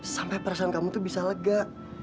sampai perasaan kamu tuh bisa lega